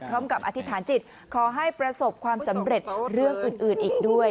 อธิษฐานจิตขอให้ประสบความสำเร็จเรื่องอื่นอีกด้วย